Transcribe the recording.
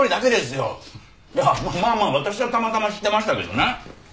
いやまあまあ私はたまたま知ってましたけどね。